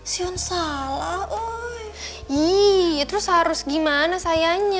sion salah uh terus harus gimana sayangnya